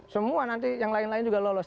semua nanti yang lain lain juga lolos